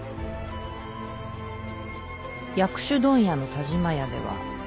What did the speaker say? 薬種問屋の田嶋屋では。